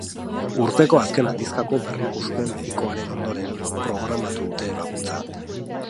Urteko azken aldizkako berrikuspen medikoaren ondoren programatu dute ebakuntza.